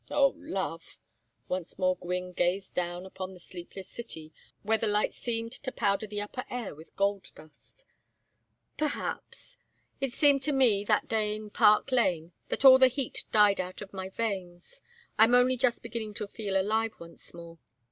"Oh, love!" Once more Gwynne gazed down upon the sleepless city, where the lights seemed to powder the upper air with gold dust. "Perhaps. It seemed to me that day in Park Lane that all the heat died out of my veins. I am only just beginning to feel alive once more.